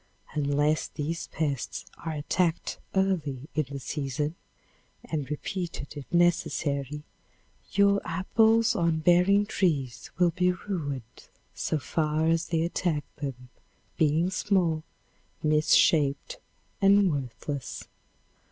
Unless these pests are attacked early in the season and repeated if necessary, your apples on bearing trees will be ruined so far as they attack them, being small, misshaped and worthless.